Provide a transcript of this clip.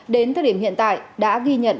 đến thời điểm hiện tại đã ghi nhận